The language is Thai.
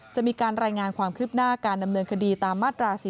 จะมีการรายงานความคืบหน้าการดำเนินคดีตามมาตรา๔๔